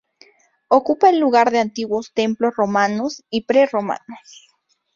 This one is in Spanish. Ocupa el lugar de antiguos templos romanos y pre-romanos.